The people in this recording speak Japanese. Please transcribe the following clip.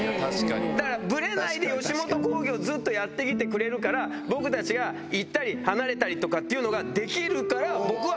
だからブレないで吉本興業ずっとやって来てくれるから僕たちが行ったり離れたりとかっていうのができるから僕は。